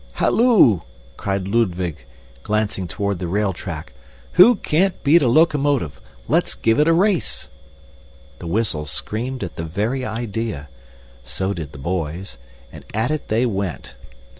"Halloo!" cried Ludwig, glancing toward the rail track, "who can't beat a locomotive? Let's give it a race!" The whistle screamed at the very idea so did the boys and at it they went.